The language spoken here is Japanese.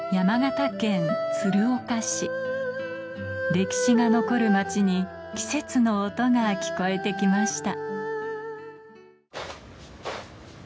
歴史が残る街に季節の音が聞こえて来ました